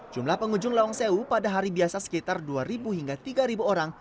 jumlah pengunjung lawang sewu pada hari biasa sekitar dua hingga tiga orang